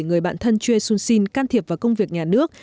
người bạn thân choi soon sin can thiệp vào công việc nhà nước